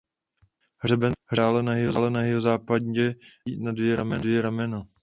Hřeben se dále na jihozápadě větví na dvě ramena.